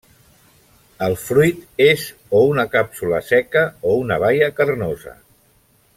El fruit és o una càpsula seca o una baia carnosa.